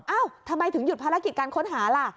เอ้าทำไมถึงหยุดภารกิจการค้นหาล่ะ